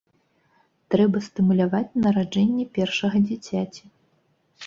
Трэба стымуляваць нараджэнне першага дзіцяці.